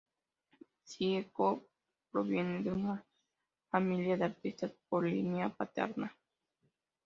Vieco proviene de una familia de artistas por línea paterna.